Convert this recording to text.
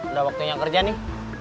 udah waktunya kerja nih